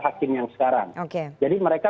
hakim yang sekarang jadi mereka